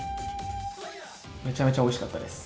めちゃめちゃおいしかったです。